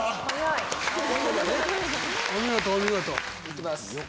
行きます。